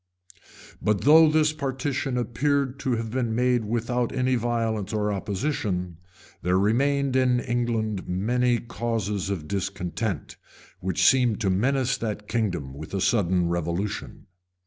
] But though this partition appeared to have been made without any violence or opposition, there remained in England many causes of discontent, which seemed to menace that kingdom with a sudden revolution.